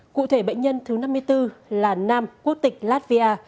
cụ thể bệnh nhân thứ năm mươi bốn là nam quốc tịch latvia